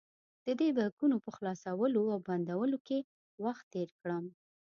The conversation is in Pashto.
ددې بیکونو په خلاصولو او بندولو کې وخت تېر کړم.